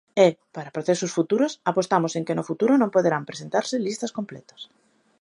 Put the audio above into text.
E, para procesos futuros, apostamos en que no futuro non poderán presentarse listas completas.